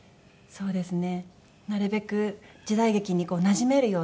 そうですね。